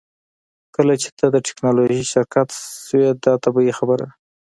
کله چې ته د ټیکنالوژۍ شرکت شوې دا طبیعي خبره ده